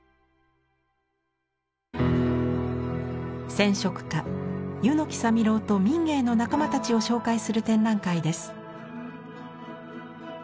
染色家柚木沙弥郎と民藝の仲間たちを紹介する展覧会です。